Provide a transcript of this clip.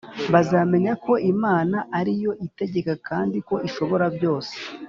bazamenya ko Imana ari yo itegeka kandi ko ishobora byose